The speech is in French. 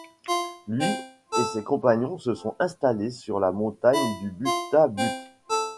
Lui et ses compagnons se sont installés sur la montagne du Butha-Buthe.